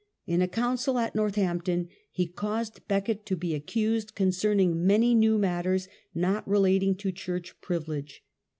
In a council at Northampton he caused Becket to be accused concerning many new matters not relating to church privilege.